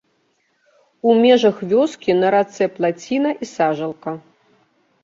У межах вёскі на рацэ плаціна і сажалка.